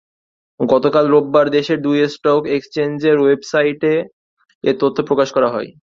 গতকাল রোববার দেশের দুই স্টক এক্সচেঞ্জের ওয়েবসাইটে এ তথ্য প্রকাশ করা হয়।